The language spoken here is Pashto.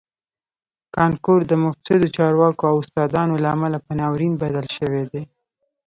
کانکور د مفسدو چارواکو او استادانو له امله په ناورین بدل شوی دی